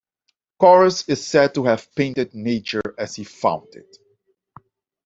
Choris is said to have painted nature as he found it.